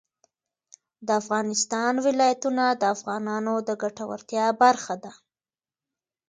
د افغانستان ولايتونه د افغانانو د ګټورتیا برخه ده.